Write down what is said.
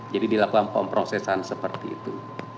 jadi dilakukan pemprosesan seperti itu